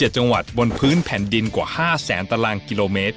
๗จังหวัดบนพื้นแผ่นดินกว่า๕แสนตารางกิโลเมตร